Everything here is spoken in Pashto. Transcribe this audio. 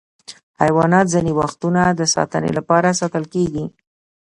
حیوانات ځینې وختونه د ساتنې لپاره ساتل کېږي.